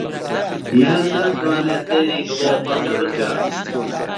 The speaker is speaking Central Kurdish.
یان ناتوانێ سەیری گڵۆپەکە بکات